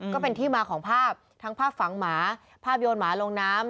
ก็เป็นที่มาของภาพทั้งภาพฝังหมาภาพโยนหมาลงน้ำ